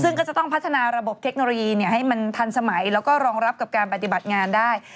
ซึ่งก็จะต้องพัฒนาระบบเทคโนโลยีให้มันทันสมัยแล้วก็รองรับกับการปฏิบัติงานได้